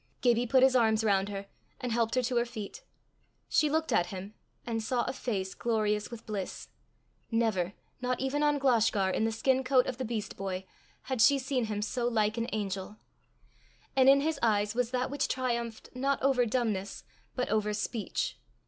Gibbie put his arms round her, and helped her to her feet. She looked at him, and saw a face glorious with bliss. Never, not even on Glashgar, in the skin coat of the beast boy, had she seen him so like an angel. And in his eyes was that which triumphed, not over dumbness, but over speech.